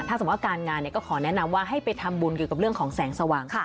ถ้าสมมุติการงานก็ขอแนะนำว่าให้ไปทำบุญเกี่ยวกับเรื่องของแสงสว่าง